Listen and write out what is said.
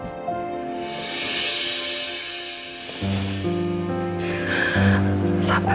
diri makanan buat mas al ya